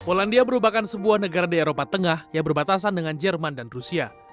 polandia merupakan sebuah negara di eropa tengah yang berbatasan dengan jerman dan rusia